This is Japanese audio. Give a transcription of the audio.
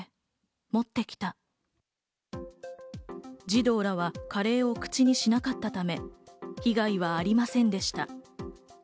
児童らはカレーを口にしなかったため、被害はありませんでした。